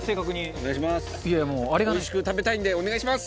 おいしく食べたいんでお願いします！